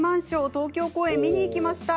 東京公演見に行きました。